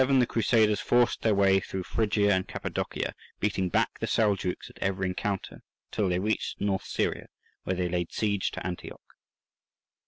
_) In 1097 the Crusaders forced their way through Phrygia and Cappadocia, beating back the Seljouks at every encounter, till they reached North Syria, where they laid siege to Antioch.